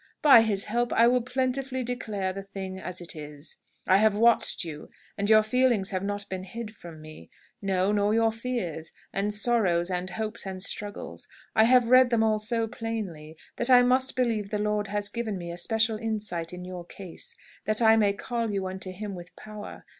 By His help I will plentifully declare the thing as it is. I have watched you, and your feelings have not been hid from me. No; nor your fears, and sorrows, and hopes, and struggles. I have read them all so plainly, that I must believe the Lord has given me a special insight in your case, that I may call you unto Him with power.